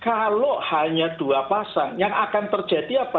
kalau hanya dua pasang yang akan terjadi apa